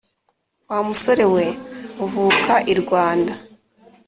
wa musore we uvuka i rwanda